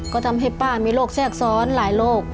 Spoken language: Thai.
ก็ทำให้ป้ามีโรคแทรกซ้อนหลายโรค